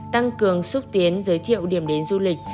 tăng cường xúc tiến giới thiệu điểm đến du lịch